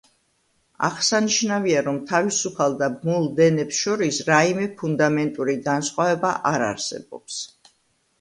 აღსანიშნავია, რომ თავისუფალ და ბმულ დენებს შორის რაიმე ფუნდამენტური განსხვავება არ არსებობს.